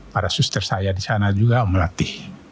para suster saya di sana juga melatih